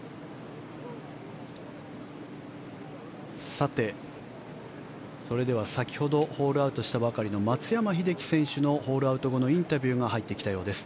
さて、それでは先ほどホールアウトしたばかりの松山英樹選手のホールアウト後のインタビューが入ってきたようです。